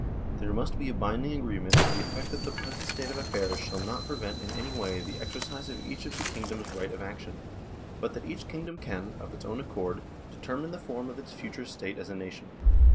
There must be a binding agreement to the effect that the present state of affairs shall not prevent in any way the exercise of each of the kingdom's right of action, but that each kingdom can, of its own accord, determine the form of its future state as a nation.